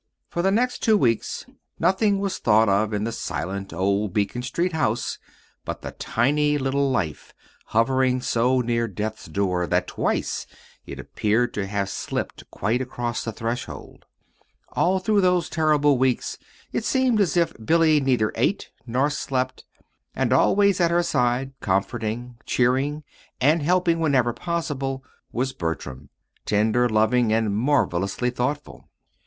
For the next two weeks nothing was thought of in the silent old Beacon Street house but the tiny little life hovering so near Death's door that twice it appeared to have slipped quite across the threshold. All through those terrible weeks it seemed as if Billy neither ate nor slept; and always at her side, comforting, cheering, and helping wherever possible was Bertram, tender, loving, and marvelously thoughtful.